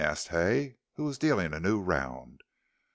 asked Hay, who was dealing a new round.